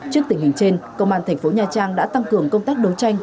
trước tình hình trên công an tp nha trang đã tăng cường công tác đấu tranh